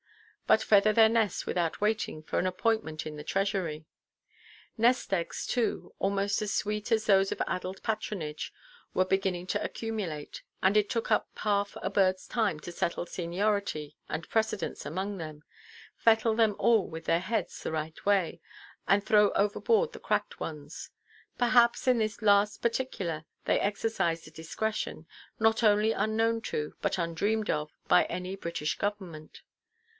—but feather their nests without waiting for an appointment in the Treasury. Nest–eggs, too, almost as sweet as those of addled patronage, were beginning to accumulate; and it took up half a birdʼs time to settle seniority and precedence among them, fettle them all with their heads the right way, and throw overboard the cracked ones. Perhaps, in this last particular, they exercised a discretion, not only unknown to, but undreamed of, by any British Government.